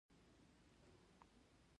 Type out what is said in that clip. په ژوند کې سیالي او هڅه پرمختګ راولي.